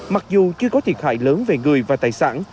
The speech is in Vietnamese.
mặc dù chưa có thiệt hại lớn về người và tài sản